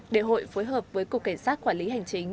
để hội phối hợp với cục cảnh sát quản lý hành chính